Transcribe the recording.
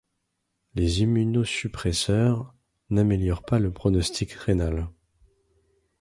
Les immunosuppresseurs n'améliorent pas le pronostic rénal.